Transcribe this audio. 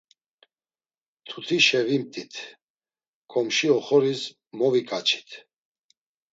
Mtutişe vimt̆it, ǩomşi oxoris moviǩaçit.